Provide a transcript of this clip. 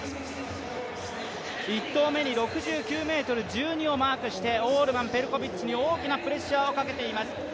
１投目に６９ｍ１２をマークしてオールマン、ペルコビッチに大きなプレッシャーをかけています。